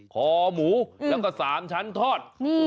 คอหมูแล้วก็๓ชั้นทอด